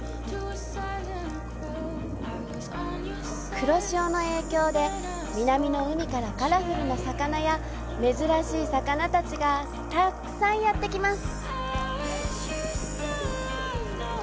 黒潮の影響で、南の海からカラフルな魚や珍しい魚たちがたくさんやってきます。